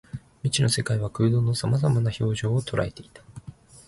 未知の世界は空洞の様々な表情を捉えていた